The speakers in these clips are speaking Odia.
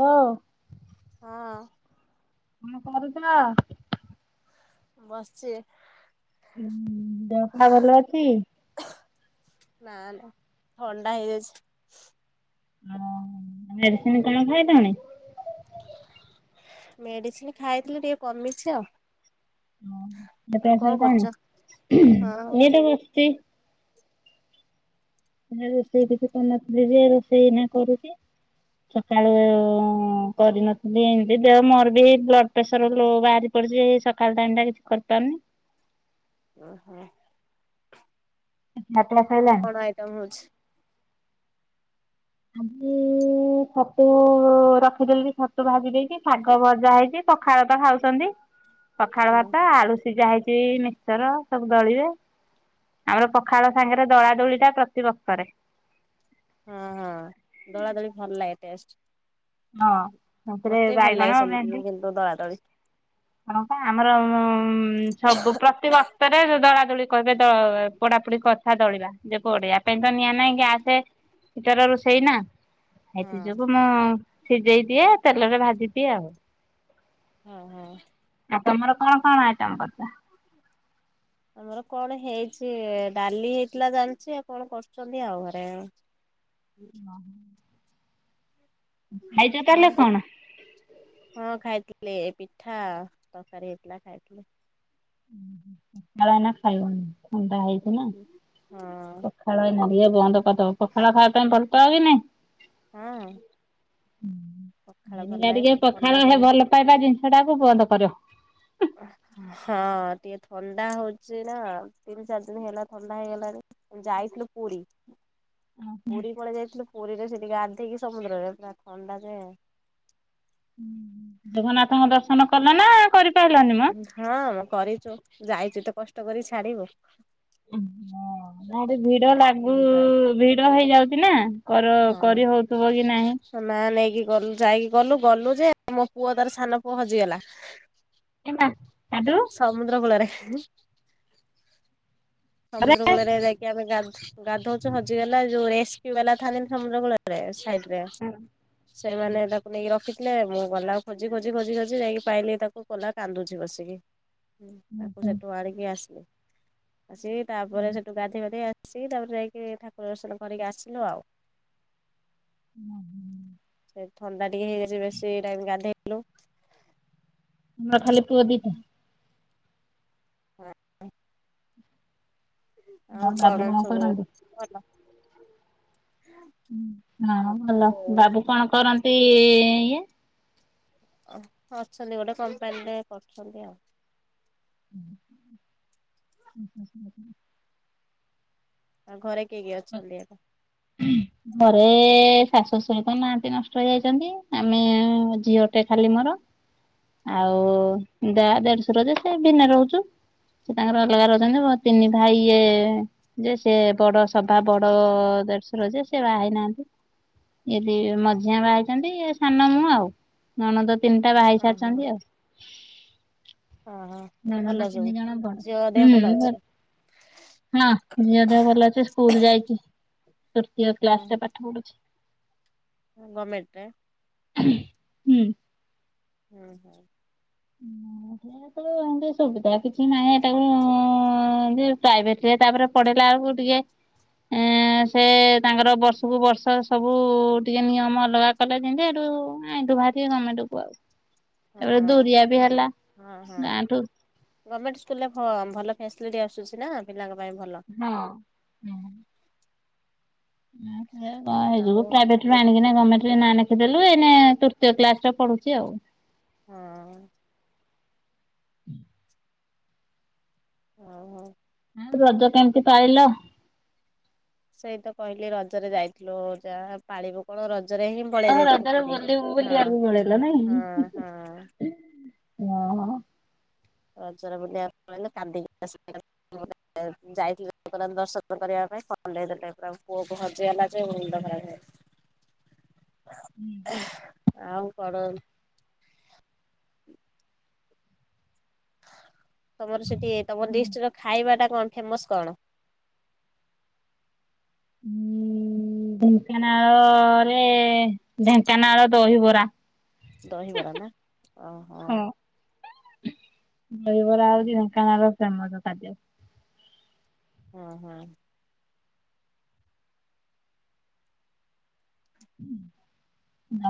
ହାଲୋ ହଁ। କଣ କରୁଛ? ବସିଚି। ଦେହ ପା ଭଲ ଅଛି? ନା ନା ଥଣ୍ଡା ହେଇଯାଇଛି। ଓ ମେଡିସିନ କଣ ଖାଇଦଉନ। ମେଡିସିନ ଖାଇଥିଲି ଟିକେ କମିଛି ଆଉ। ଆଉ ହ କଣ ଏସଣ କରୁଛ? [unintelligible] ହଁ ଏଇଟ ବସ୍ତି। ରୋଷେଇ ଟିକ ତ ରୋଷେଇ ନା କରୁଛି। ସକାଳୁ କରିନଥିଲି ଏମିତି ଦେହ ମୋର ବି ବ୍ଲ। ପ୍ରେସର ଲୋ ବାହାରି ପଡିଛି ସକାଳ ଟାଇମ ଟା କିଛି କରିପାରୁନି। ଓହୋ। ମତ୍ଵ। [unintelligible] କଣ ଆଇଟମ ହଉଛି। ଆ। [inaudible] ଛତୁ ରଖିଦେଲି ବି ଛତୁ ଭାଜି ଦେଇେଇଛି, ଶାଗ ଭଜା ହେଇଛି ପଖାଳ ତ ଖାଉଛନ୍ତି। ପଖାଳ ହଁ ଭାତ ଆଳୁ ସିଝା ହେଇଛି, ମିକ୍ସର ସବୁ ଦଳିବେ। ଆମର ପଖାଳ ସାଙ୍ଗରେ ଦଳା ଦୋଳି ଟା ପ୍ରତିିବକ୍ତରେ। ହଁ ହଁ ଦଳା ଦୋଳି ଭଲ ଲାଗେ ଟେଷ୍ଟ। ହଁ। ସେଥିରେ ମତେ ବି ଭଲ ବାଇଗଣ ଲାଗେ କିନ୍ତୁ ଦଳା ଦଳି। କଣ ଆମର ଉ ସବୁ ପ୍ରତି ବଷରେ ଯ ଦଳାଦୋଳି କହିବେ ପୋଡାପୋଡି କରି। ା ଦଳିବା ଯେ କୁଆଡେଇଆ। ପାଇଁ ତ ନିଆ ନାଇଁ କି ଆସେ ଭିତର ରୋଷେଇ ନା ହଁ ସେଥି ଯୋଗୁ ମୁଁ। ସିଝେଇ ଦିଏ ତେଲରେ ଭାଜି ଦିଏ ଆଉ। ହଁ ହଁ। ଆପଣ ମୋର କଣ କଣ ଆଆଇଟମ କରିଥିଲେ? ଆମର କଣ ହେଇଛି? ଡାଲି ହେଇଥିଲା ଜାଣିଛି ଆଉ କଣ କରୁଛନ୍ତି ଆଉ ଘରେ ହଁ। [unintelligible] ହଉ। କଣ ହଁ ଖାଇଥିଲେ ପିଠା ତରକାରୀ ହେଇଥିଲା ଖାଇଥିଲେ। ପଖାଳ ଏଇନା ଖାଇବନି ଥଣ୍ଡା ହେଇଛି ନା। ହଁ ପଖାଳ ଏଇନା ବନ୍ଦ କରିଦବ, ପଖାଳ ଖାଇବା ପାଇଁ ଭଲ ପାଅ କି ନାଇଁ? ହଁ। ପଖାଳ ଭଲ ଟିକେ ଲାଗେ ଥଣ୍ଡା ପଖାଳ ହେଲ ପାଇଁ ଭଲ ପାଇବା ଜିନିଷ ଟାକୁ ବନ୍ଦ କର। ହଁ ଟିକେ ଥଣ୍ଡା ହଉଛି ନା ତିନି ଚାରି ଦିନ ହେଲା ଥଣ୍ଡା ହେଇଗଲାଣି। ଯାଇଥିଲୁ ପୁରୀ। ପୁରୀ ପଳେଇ ଯାଇଥିଲୁ, ପୁରୀରେ ସେଠିକି ଗାଧେଇକି ସମୁଦ୍ରରେ ପୁରା ଥଣ୍ଡା ଯେ ଜଗନ୍ନାଥଙ୍କ ଦର୍ଶନ କଲ ନା କରି ହଁ ମୁଁ କରିଛୁ ଯାଇଛୁ ତ କଷ୍ଟ କରି ଛାଡିବୁ। ନା ଏଠି ଭିଡ ଲାଗୁ ଯାଇ ଭିଡ ହେଇଯାଉଛି ନା କର କରି ହଁ ହଉଥିବ କି ନାହିଁ? ନା ନେଇକି ଗଲୁ, ଯାଇକି ଗଲୁ ଗଲୁ ଯେ ମୋ ପୁଅ ତାର ସାନ ପୁଅ ହଜିଗଲା। ଏ ମା। କାଟୁ ସମୁଦ୍ର କୂଳରେ। ଆରେ ସମୁଦ୍ର କୂଳରେ ଯାଇକି ଆମେ ଗ ଗାଧଉଛୁ ହଜିଗଲା ଯୋଉ ରେ ରେସ୍କୁବାଲା ଥାଆନ୍ତିନି ସମୁଦ୍ର କୂଳରେ ସାଇଡରେ ସେମାନେ ତାକୁ ନେଇକି ରଖି ମୁଁ ଗଲା ଖୋଜି ଖୋଜି ଖୋଜି ଖୋଜି ଯାଇକି ପାଇଲି, ତାକୁ କଲା କାନ୍ଦୁଛି ବସିକି। ତାକୁ ଆମର ସେଠୁ ଆଣିକି ଆସିଲି, ଆସି ତାପରେ ସେଠୁ ଗାଧୋଇବାଧେଇ ଆସି ସେଇ ତା ପରେ ଯାଇକି ଠାକୁର ଦର୍ଶନ କରିକି ଆସିଲୁ ଆଉ ହୁଁ ହୁଁ। ସେ ଥଣ୍ଡା ଟିକେ ହେଇଯାଇଛି, ବେଶୀ ଟାଇମ ଗାଧେଇଲୁ। ତମର ଖାଲି ପୁଅ ଦିଟା। ହଁ। ଆଉ କଣ ସବୁ ଭଲ? ହଁ ବାବୁ ଭଲ। ବାବୁ କଣ କରନ୍ତି ଇଏ? ଓ ଅଛନ୍ତି ଗୋଟେ କମ୍ପାନୀରେ କରୁଛନ୍ତି ଆଉ ଆଉ ଘରେ କିଏ କିଏ ଅଛନ୍ତି? ହୁଁ। ଘରେ ଶାଶୁ ଶଶୁର ନାହାନ୍ତି ନଷ୍ଟ ହେଇଯାଇଛନ୍ତି, ଆମେ ଝିଅଟେ ଖାଲି ମୋର ଆଉ ଓହୋ ଯା, ଦେଢସୁର ଯେ ସେ ଭିନେ ରହୁଛୁ। ସେ ତାଙ୍କର ଅଲଗା ରହୁଛନ୍ତି, ମୋ ତିନି ଭାଇ ଇଏ ଯେ ସିଏ ବଡ ସଭା ବଡ ଦେଢ଼ ଯେ ସେ ବାହା ହେଇନାହାନ୍ତି, ମଝିଆ ବାହାହେଇଛନ୍ତି, ସାନ ମୁଁ ଆଉ। ନଣଦ ତିନିଟା ବାହାହେଇସାରିଛନ୍ତି ଆଉ ହଁ ହଁ ନଣନ୍ଦ ଭଲ ତିନି ସବୁ, ଜଣ ବଡ। ଝିଅ ହୁଁ ଦେହ ଭଲ ଅଛି। ହଁ ଝିଅ ଦେହ ଭଲ ଅଛି, ସ୍କୁଲ ଯାଇଛି ତୃତୀୟ କ୍ଲାସରେ ପା ପଢୁଛି। ହଁ ଗମେଣ୍ଟରେ। ହୁଁ। ହୁଁ ହୁଁ। ଏମିତି ସୁବିଧା କିଛି ନାହିଁ ଏଟାକୁ ଯେ ପ୍ରାଇଭେଟ ତାପରେ ପଢ଼େଇଲା ବେଳକୁ ଟିକେ ଏଁ ସେ ତାଙ୍କର ବର୍ଷକୁ ବର୍ଷ ସବୁ ଟିକେ ନିୟମ ଅଲଗା କଲେ ଜିନ୍ତି ହେଠୁ ଆଇଲୁ ଭାରି ଗମେଣ୍ଟ କୁ ହଁ ଭଲା ହଁ, ହଁ। ଗାଁଠୁ। ଗମେଣ୍ଟ ସ୍କୁଲରେ ଭଲ ଫ୍ୟାସିଲିଟି ଆସୁଛି ନା ପିଲାଙ୍କ ପାଇଁ ଭଲ। ହଁ ହଁ। ହଁଯ [unintelligible] ଆଉ ପ୍ରାୟବେ ଆଣିକିନା ଗମେଣ୍ଟରେ ନାଁ ଲେଖିଦେଲୁ ଏଇନେତୃତୀୟ କ୍ଲାସ ରେ ପଢୁଛି ଆଉ। ହଁ। ହଁ ହଁ। ଆଉ ରଜ କେମିତି ପଳିଲ? ସେଇ ତ କହିଲି ରଜରେ ଯାଇଥିଲୁ ଯାହା ପାଳିବୁ କଣ ରଜରେ ହିଁ ଓ ପଳିଇ ଯାଇଥିଲୁ ରଜରେ ପୁରୀ, ବୁଲି ହଁ, ବୁଲିବାକୁ ପଳେଇଲ ହଁ, ହଁ, ହଁ। ହଁ। ରଜ ବୁଲିବା [inaudible] ଯାଇଥିଲି ଜଗନ୍ନାଥଙ୍କୁ ଦର୍ଶନ କରିବା ପାଇଁ ଫନ ଦେଇଦେଲେ ପୁରା ପୁଅକୁ ହଜିଗଲା ଯେ ମୁଣ୍ଡ ଖରାପ ହେଇଗଲା। ହ [inaudible] [unintelligible] ହୁଁ। ଆଉ କଣ? ତମର ସେଠି ତମ ଡିଷ୍ଟ୍ରିକ୍ଟର ଖାଇବା ଟା କଣ ଫେମସ କଣ? ହୁଁ। ଢେଙ୍କାନାଳରେ ଢେଙ୍କାନାଳ ଦହିବରା। ଦହିବରା ନା ଓହୋ। ହଁ। ଦହିବରା ହୁଁ। ହଉଚି ଢେଙ୍କାନାଳର ଫେମସ ଖାଦ୍ୟ। ହଁ, ହଁ।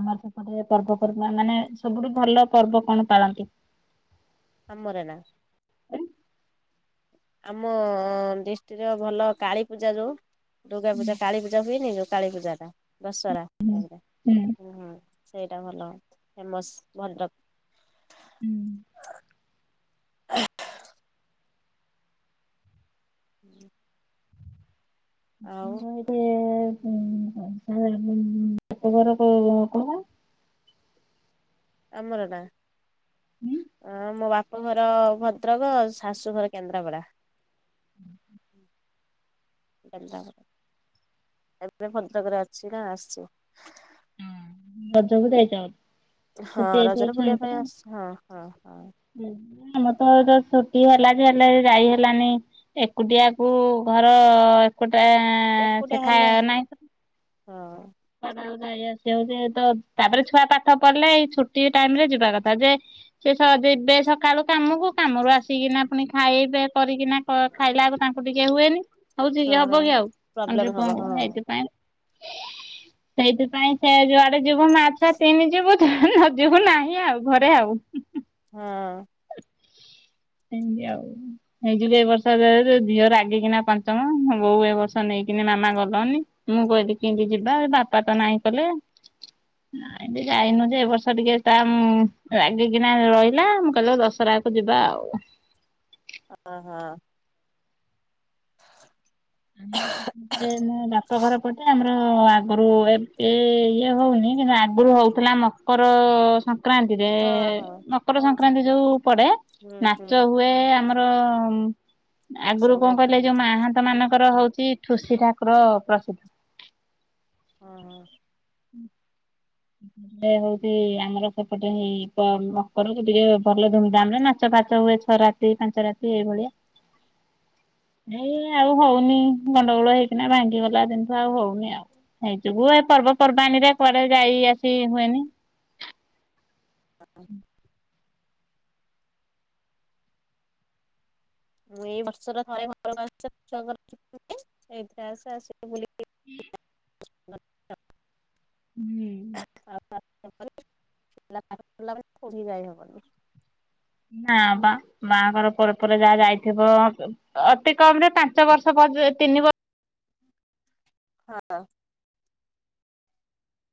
ଆମର ସେପଟ ପର୍ବପର୍ବା ମାନେ ସବୁଠୁ ଭଲ ପର୍ବ କଣ ପାଳନ୍ତି? ଆମର ନା? ଆମ ଡିଷ୍ଟ୍ରିକ୍ଟ ଭଲ କାଳୀ ପୂଜା ଯୋଉ ଦୁର୍ଗାପୂଜା, କାଳୀପୂଜା। ଦେବିନି ଯେଉଁ କାଳୀପୂଜାଟା ଦଶହରା ଟାଇମ ଟା ହୁଁ। ସେଇଟା ଭଲ ଫେମସ ଭଦ୍ରକ। ହୁଁ। ହୁଁ। ମୋର [unintelligible] ବାପ ଘର କଣ ଆମର ବା? ହଁ ମୋ ବାପ ଘର ଭଦ୍ରକ ଶାଶୁଘର କେନ୍ଦ୍ରାପଡ଼ା। ହୁଁ। ଏବେ ଭଦ୍ରକ ରେ ଅଛି ନା ଆସିଛି। ରଜ କୁ ଯାଇଛ? ହଁ ଛୁଟି ହେଇଥିବ ରଜରେ ବୁଲିବା ପାଇଁ ଛୁଆଙ୍କର। ଆସ ହଁ, ହଁ, ହଁ। ଆମର ତ ଛୁଟି ହେଲା ଯେ ହେଲେ ଯାଇ ହେଲାନି ଏକୁଟିଆକୁ ଘର ଗୋଟାଏ ଏକୁଟିଆ ହେଲେ ସେଠାଏ ନାଇଁ, ହଁ କୁଆଡ଼େ ଆଉ ଯାଇ ଆସି ହଉଚି ତ ତାପରେ ଛୁଆ ପାଠ ପଢ଼ିଲେ ଏଇ ଛୁଟି ଟାଇମ ରେ ଯିବା କଥା ଯେ ସେ ଶଳା ଯିବେ ସ କାଳୁ କାମକୁ କାମରୁ ଆସିକିନା ପୁଣି ଖାଇବେ କରିକିନା କ ଖାଇଲା ଆଳୁକୁ ତାଙ୍କୁ ଟିକେ ହୁଏନି। ହଉ ଝିଅ ହଁ ହବ କି ଆଉ ପ୍ରୋବ୍ଲେମ ଅଣ୍ଡିରି ହବ ପୁଅଙ୍କୁ ହଁ ହେଇଥିପାଇଁ ହେଇଥିପାଇଁ ସେ ଯୁଆଡ଼େ ଯିବୁ ମାଆ ଛୁଆ ତିନି ଯିବୁ। ନଜିବୁ ନାହିଁ ଆଉ ଘରେ ଆଉ। ହଁ। ଏମତି ଆଉ। ହେଇଯୁଗୁ ଏ ବର୍ଷ ଝିଅ ରାଗିକିନା ପଞ୍ଚମ ମୋ ବୋଉ ଏ ବର୍ଷ ନେଇକିନି ମାମା ଗଲନି। ମୁଁ କେମିତି ଯିବା ଏ ବାପା ତ ନାଇଁ କଲେ। କାଇଁକି ଯାଇନୁ ଯେ ଏ ବର୍ଷ ଟିକେ ତା ରାଗିକିନା ରହିଲା ମୁଁ କହିଲି ହଉ ଦଶରା କୁ ଯିବା ଆଉ। ଓହୋ [inaudible] ଆମର ସେପଟେ ମୋ ବାପ ଘର ପଟେ ଆମର ଆଗରୁ ଏବେ ଇଏ ହଉନି କିନ୍ତୁ ଆଗରୁ ହଉଥିଲା ମକର ସ କ୍ରାନ୍ତିରେ ହଁ ହଁ ମକର ସଂକ୍ରାନ୍ତି ଯୋଉ ପଡେ ହୁଁ ନାଚ ହୁଁ ହୁଏ ଆମ ର ଆଗରୁ ଫଙ୍କସନ କଣ ଟାଇପ କହିଲେ ହୁଏ ଯୋଉ ମାହା ନ୍ତ ମାନଙ୍କର ହଉଛି ଠୁସି ଠାକୁର ପ୍ରସିଦ୍ଧ। ହଁ ହୁଁ। [inaudible] ସେ ହଉଛି ଆମର ସେପଟେ ହେଇ ମକରକୁ ଟିକେ ଭଲ ଧୁମଧାମ ରେ ନାଚ ଫାଚ ହୁଏ ଛରା ଦି ପାଞ୍ଚ ରାତି ଏଇଭଳିଆ। ଏଇ ଆଉ ହଉନି ଗଣ୍ଡଗୋଳ ହେଇକିନା ଭାଙ୍ଗିଗଲା ଦିନିଠୁ ଆଉ ହଉନି ଆଉ। ହେଇଯୋଗୁ ଏ ପର୍ବପର୍ବାଣିରେ କୁଆଡେ ଯାଇ ଆସି ହୁଏନି। ହଁ ମୁଁ ଏଇ ବର୍ଷର ଥରେ ଘରକୁ ଆସେ। ଛୁଆଙ୍କର ଛୁଟି ଥାଏ ଏଇଥିରେ ଆସେ ଆସିକି ବୁଲିକି [inaudible] [unintelligible] ହୁଁ। [unintelligible] କୋଉଠିକି ଯାଇ ହବନି। ନା ବା ବାହାଘର ପରେ ପରେ ଯାହା ଯାଇଥିବ ଅତି କମ ରେ ପାଞ୍ଚ ବର୍ଷ ପର ତିନି ବର୍ଷ ହଁ।